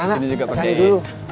anak anak pakai dulu